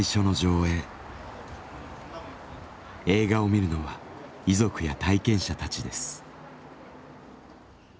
映画を見るのは遺族や体験者たちです。